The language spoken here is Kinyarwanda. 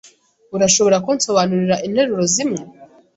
Urashobora kunsobanurira interuro zimwe?